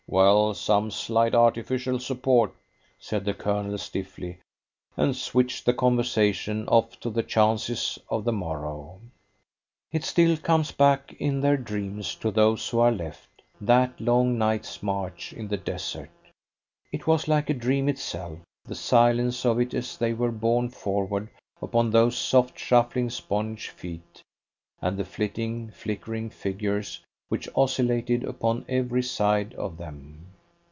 "Well, some slight artificial support," said the Colonel stiffly, and switched the conversation off to the chances of the morrow. It still comes back in their dreams to those who are left, that long night's march in the desert. It was like a dream itself, the silence of it as they were borne forward upon those soft, shuffling sponge feet, and the flitting, flickering figures which oscillated upon every side of them.